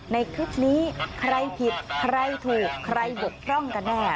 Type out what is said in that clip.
ในคลิปนี้ใครผิดใครถูกใครบกพร่องกันแน่